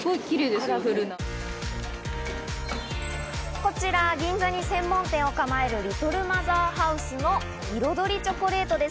こちら、銀座に専門店を構えるリトルマザーハウスのイロドリチョコレートです。